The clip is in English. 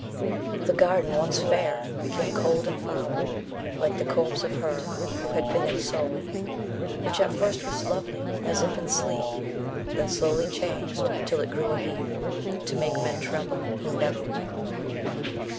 The garden, once fair, became cold and foul, Like the corpse of her who had been its soul, Which at first was lovely as if in sleep, Then slowly changed, till it grew a heap _20 To make men tremble who never weep.